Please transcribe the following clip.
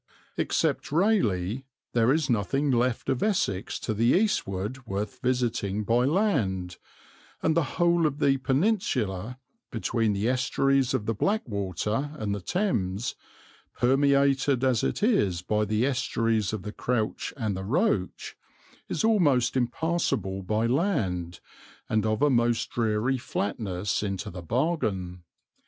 Except Rayleigh there is nothing left of Essex to the eastward worth visiting by land, and the whole of the peninsula between the estuaries of the Blackwater and the Thames, permeated as it is by the estuaries of the Crouch and the Roach, is almost impassable by land, and of a most dreary flatness into the bargain.